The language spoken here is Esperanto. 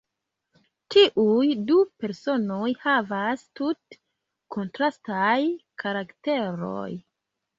Tiuj du personoj havas tute kontrastaj karakteroj.